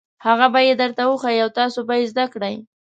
هغه به یې درته وښيي او تاسو به یې زده کړئ.